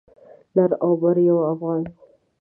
لر او بر یو افغان